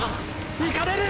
行かれる！！